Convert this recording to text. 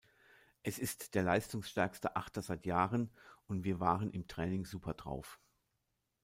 Es ist der leistungsstärkste Achter seit Jahren und wir waren im Training super drauf.